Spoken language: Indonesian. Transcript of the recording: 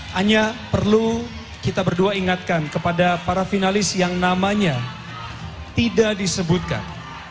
hanya perlu kita berdua ingatkan kepada para finalis yang namanya tidak disebutkan